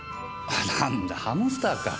何だハムスターか。